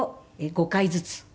５回ずつ。